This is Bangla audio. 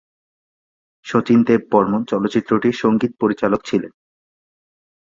শচীন দেব বর্মণ চলচ্চিত্রটির সঙ্গীত পরিচালক ছিলেন।